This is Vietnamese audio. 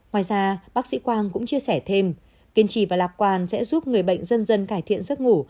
ngoài ra bác sĩ quang cũng chia sẻ thêm kiên trì và lạc quan sẽ giúp người bệnh dân dân cải thiện giấc ngủ